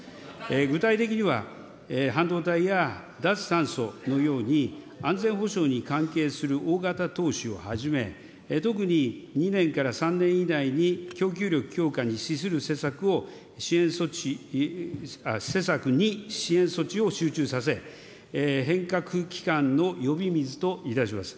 具体的には、半導体や脱炭素のように、安全保障に関係する大型投資をはじめ、特に２年から３年以内に供給力強化に資する施策に支援措置、施策に支援措置を集中させ、変革期間の呼び水といたします。